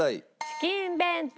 チキン弁当。